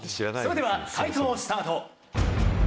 それでは解答スタート。